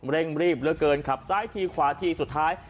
เร่งรีบเหลือเกินขับซ้ายทีขวาทีสุดท้าย